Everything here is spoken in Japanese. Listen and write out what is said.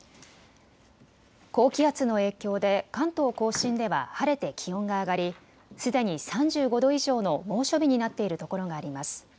高気圧の影響で関東甲信では晴れて気温が上がり、すでに３５度以上の猛暑日になっている所があります。